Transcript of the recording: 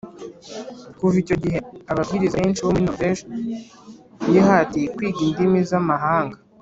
Kuva icyo gihe ababwiriza benshi bo muri Noruveje bihatiye kwiga indimi z amahanga